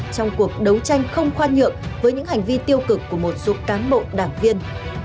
trong cuộc đấu tranh không khoan nhượng với những hành vi tiêu cực của một số cán bộ đảng viên